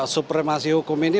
supremasi hukum ini